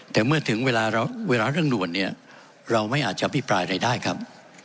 แต่เมื่อถึงเวลาเร่งด่วนเนี่ยเราไม่อาจจะอภิปรายอะไรได้ครับ